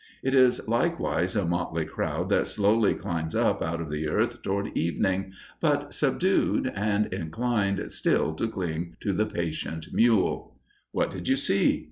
It is likewise a motley crowd that slowly climbs up out of the earth toward evening but subdued and inclined still to cling to the patient mule. "What did you see?"